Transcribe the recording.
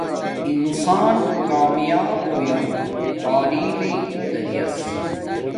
انسان کامیاپ ہویا تعلیم مݵݵ زریعس